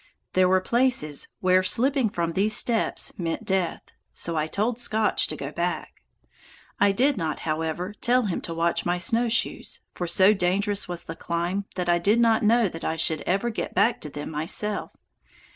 There were places where slipping from these steps meant death, so I told Scotch to go back. I did not, however, tell him to watch my snowshoes, for so dangerous was the climb that I did not know that I should ever get back to them myself.